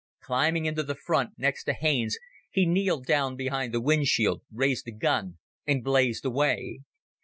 Climbing into the front, next to Haines, he kneeled down behind the windshield, raised the gun, and blazed away.